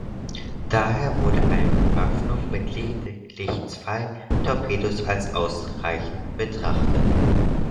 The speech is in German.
Daher wurde eine Bewaffnung mit lediglich zwei Torpedos als ausreichend betrachtet.